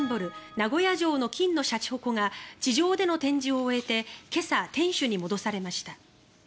名古屋城の金のしゃちほこが地上での展示を終えて今朝、天守に戻されました。